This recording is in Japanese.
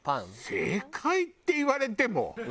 「正解」って言われても。